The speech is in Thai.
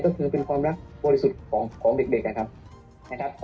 ก็คือเป็นความรักบริสุทธิ์ของเด็กนะครับ